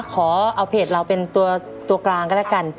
ขอเอาเพจเราเป็นตัวกลางก็แล้วกัน